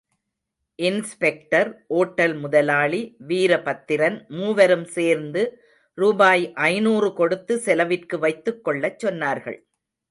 Inspector, hotel முதலாளி, வீரபத்திரன் மூவரும் சேர்ந்து ரூபாய் ஜநூறு கொடுத்து செலவிற்கு வைத்துக் கொள்ளச் சொன்னார்கள்.